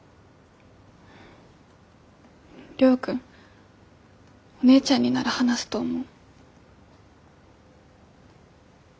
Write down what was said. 亮君お姉ちゃんになら話すと思う。